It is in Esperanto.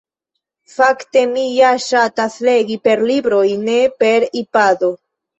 Fakte, mi ja ŝatas legi per libroj ne per ipado